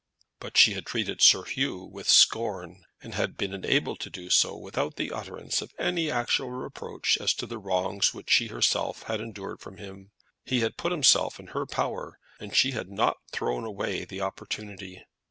But she had treated Sir Hugh with scorn, and had been enabled to do so without the utterance of any actual reproach as to the wrongs which she herself had endured from him. He had put himself in her power, and she had not thrown away the opportunity.